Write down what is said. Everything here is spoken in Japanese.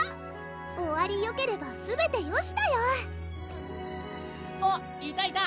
「終わりよければすべてよし」だよ・あっいたいた！